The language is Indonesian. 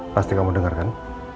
pasti kamu dengarkan